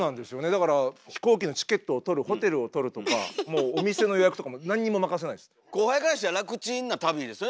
だから飛行機のチケットを取るホテルを取るとかもうお店の予約とかも後輩からしたら楽チンな旅ですよね。